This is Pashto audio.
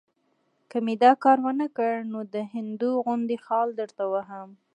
که مې دا کار ونه کړ، نو د هندو غوندې خال درته وهم.